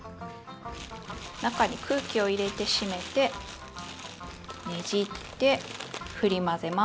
中に空気を入れて閉めてねじってふり混ぜます。